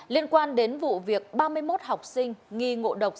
liên quan đến vụ việc ba mươi một học sinh nghi ngộ độc